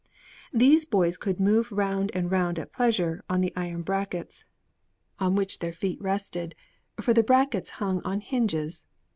These boys could move round and round at pleasure on the iron brackets on which their feet rested, for the brackets hung on hinges.